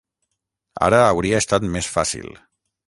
Ara hauria estat més fàcil.